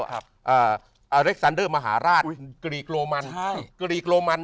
ครับอ่าอล็กซันเดอร์มหาราชอุ้ยกรีกโลมันใช่กรีกโลมัน